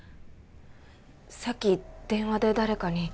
さっき電話で誰かに。